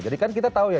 jadi kan kita tahu ya